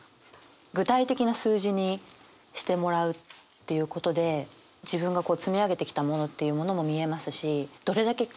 具体的な数字にしてもらうということで自分がこう積み上げてきたものっていうものも見えますし。